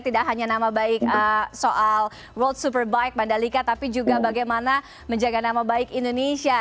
tidak hanya nama baik soal world superbike mandalika tapi juga bagaimana menjaga nama baik indonesia